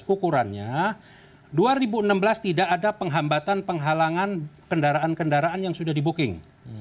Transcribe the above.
ukurannya dua ribu enam belas tidak ada penghambatan penghalangan kendaraan kendaraan yang sudah di booking